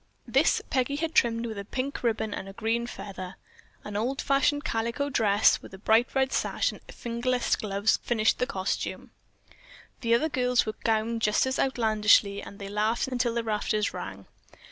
This Peggy had trimmed with a pink ribbon and a green feather. An old fashioned calico dress with a bright red sash and fingerless gloves finished the costume. The other girls were gowned just as outlandishly, and they laughed until the rafters rang.